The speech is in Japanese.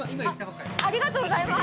ありがとうございます。